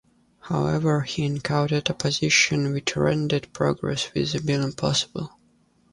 However he encountered opposition which rendered progress with the bill impossible.